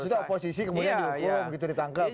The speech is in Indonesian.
oh maksudnya oposisi kemudian diukur begitu ditangkap